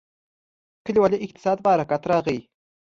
کلیوالي اقتصاد په حرکت راغی.